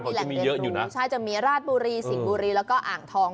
ก็จะมีแหล่งเรียนรู้ใช่จะมีราชบุรีสิงบุรีแล้วก็อ่างทอง